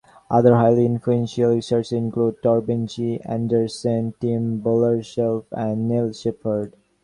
Other highly influential researchers include Torben G. Andersen, Tim Bollerslev and Neil Shephard.